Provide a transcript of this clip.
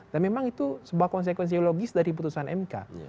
dan memang itu sebuah konsekuensi logis dari putusan mk